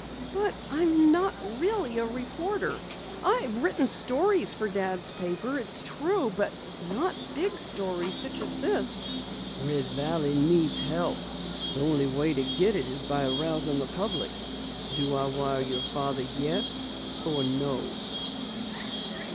"But I'm not really a reporter. I've written stories for Dad's paper, it's true. But not big stories such as this." "Red Valley needs help. The only way to get it is by arousing the public. Do I wire your father 'yes' or 'no'?"